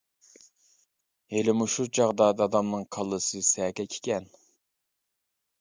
ھېلىمۇ شۇ چاغدا دادامنىڭ كاللىسى سەگەك ئىكەن.